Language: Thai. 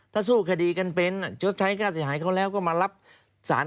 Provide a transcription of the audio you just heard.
ถ้าสู้คดีกันเป็นชดใช้ค่าเสียหายเขาแล้วก็มารับสาร